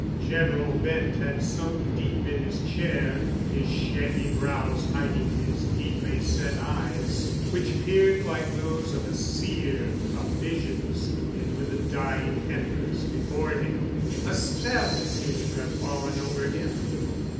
General Bent had sunk deep in his chair, his shaggy brows hiding his deeply set eyes, which peered like those of a seer of visions into the dying embers before him. A spell seemed to have fallen over him.